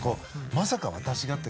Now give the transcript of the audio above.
まさか私がって。